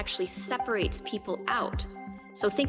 itu sebenarnya memisahkan orang orang